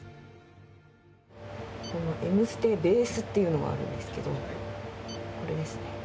この「ＭｓｔＢＡＳＥ」っていうのがあるんですけどこれですね。